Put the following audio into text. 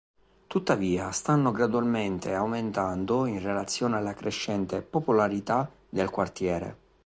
Tuttavia stanno gradualmente aumentando in relazione alla crescente popolarità del quartiere.